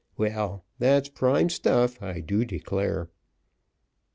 Well, that's prime stuff, I do declare."